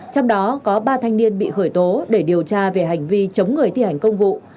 trong đó có ba thanh niên bị khởi tố để điều tra về hành vi chống người thi hành công vụ